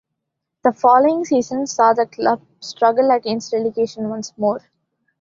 The following season saw the club struggle against relegation once more.